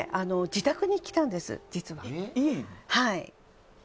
自宅に来たんです、実は。